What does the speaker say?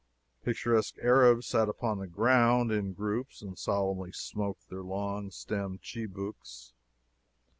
Picturesque Arabs sat upon the ground, in groups, and solemnly smoked their long stemmed chibouks.